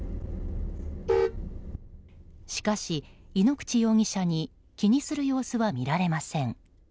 しかし、イノクチ容疑者に気にする様子は見られません。